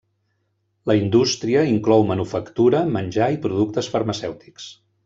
La indústria inclou manufactura, menjar i productes farmacèutics.